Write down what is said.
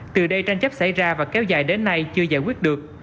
từ đây tranh chấp xảy ra và kéo dài đến nay chưa giải quyết được